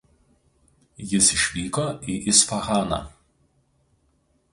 Jis išvyko į Isfahaną.